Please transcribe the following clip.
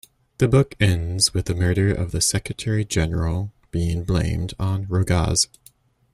The book ends with the murder of the Secretary-General being blamed on Rogas.